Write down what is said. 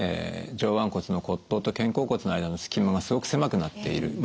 上腕骨の骨頭と肩甲骨の間の隙間がすごく狭くなっている。